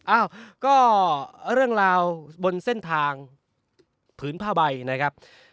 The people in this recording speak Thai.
อ้าวก็เรื่องราวบนเส้นทางผืนผ้าใบนะครับ